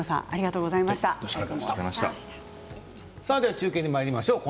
中継にまいりましょう。